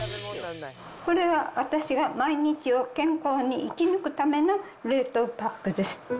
これは、私が毎日を健康に生き抜くための冷凍パックです。